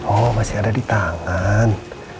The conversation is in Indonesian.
oh masih ada di tangan